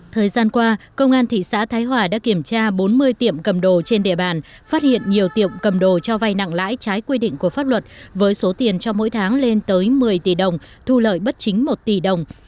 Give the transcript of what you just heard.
thời gian qua công an thị xã thái hòa đã kiểm tra bốn mươi tiệm cầm đồ trên địa bàn phát hiện nhiều tiệm cầm đồ cho vai nặng lãi trái quy định của pháp luật với số tiền cho mỗi tháng lên tới một mươi tỷ đồng thu lợi bất chính một tỷ đồng